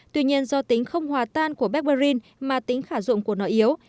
tuy nhiên do tính không hòa tan của barbarin mà tính khả dụng của nó yếu